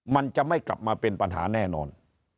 มันจะไม่กลับมาเป็นปัญหาแน่นอน